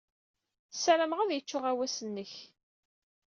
Ssarameɣ ad yecc uɣawas-nnek.